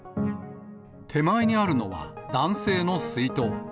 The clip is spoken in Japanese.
手前にあるのは、男性の水筒。